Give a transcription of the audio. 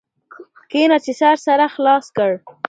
کښېنه چي سر سره خلاص کړ.